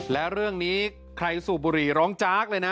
และเรื่องนี้ใครสูบบุหรี่ร้องจากเลยนะ